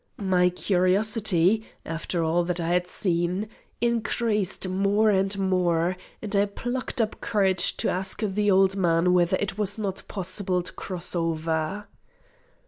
My curiosity after all that I had seen increased more and more, and I plucked up courage to ask the old man whether it was not possible to cross over.